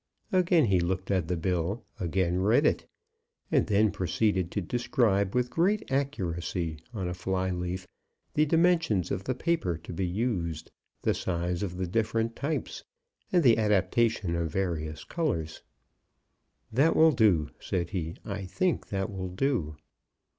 Again he looked at the bill, again read it, and then proceeded to describe with great accuracy, on a fly leaf, the dimensions of the paper to be used, the size of the different types, and the adaptation of various colours. "That will do," said he; "I think that will do."